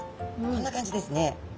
こんな感じですね。